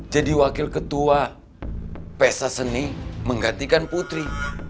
jadi wakil ketua pesaseni menggantikan putri